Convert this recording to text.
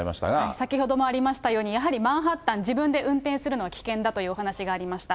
先ほどもありましたように、やはりマンハッタン、自分で運転するのは危険だというお話がありました。